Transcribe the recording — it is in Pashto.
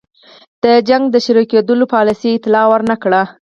د جنګ د پیل کېدلو پالیسۍ اطلاع ور نه کړه.